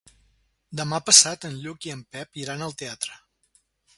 Demà passat en Lluc i en Pep iran al teatre.